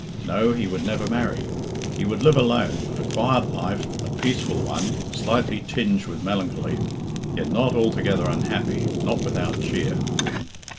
No, he would never marry; he would live alone, a quiet life, a peaceful one, slightly tinged with melancholy, yet not altogether unhappy, not without cheer.